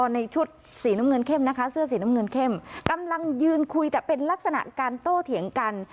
ในชุดสีน้ำเงินเข้มนะคะเสื้อสีน้ำเงินเข้มกำลังยืนคุยแต่เป็นลักษณะการโต้เถียงกัน